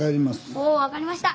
お分かりました！